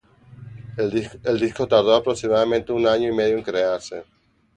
El disco tardó aproximadamente un año y medio en crearse.